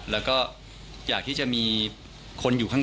แล้วก็อยากที่จะมีคนอยู่ข้าง